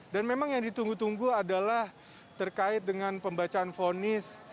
dan memang yang ditunggu tunggu adalah terkait dengan pembacaan fonis